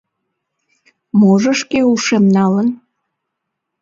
Можо шке ушем налын?